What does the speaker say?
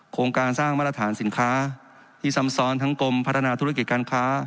โครงการสร้างมาตรฐานสินค้าที่ซ้ำซ้อนทั้งกรมพัฒนาธุรกิจการค้า